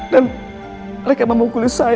dan mereka memukul saya bu